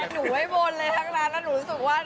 หนูไม่บนเลยทั้งนั้นถ้าหนูรู้สึกว่า